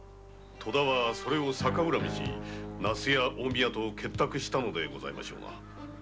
戸田はそれを逆恨みし那須や近江屋と結託したのでございましょう。